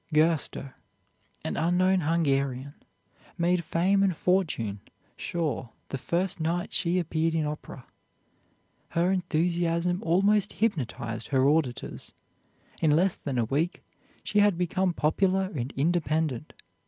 Gerster, an unknown Hungarian, made fame and fortune sure the first night she appeared in opera. Her enthusiasm almost hypnotized her auditors. In less than a week she had become popular and independent.